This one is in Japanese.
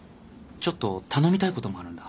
ちょっと頼みたいこともあるんだ。